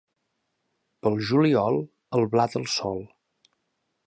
Pel juliol, el blat al sol.